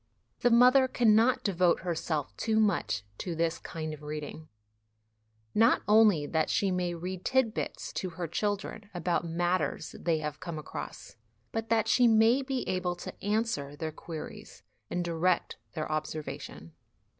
The mother cannot devote herself too much to this kind of reading, not only that she may read tit bits to her children about matters they have come across, but that she may be able to answer their queries and direct their observation.